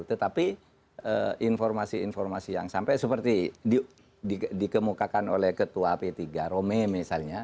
tetapi informasi informasi yang sampai seperti dikemukakan oleh ketua p tiga rome misalnya